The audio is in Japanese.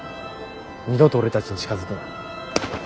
二度と俺たちに近づくな。